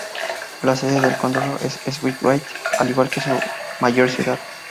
La sede del condado es Sweetwater, al igual que su mayor ciudad.